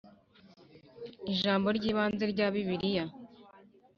Ijambo ry ibanze rya Bibiliya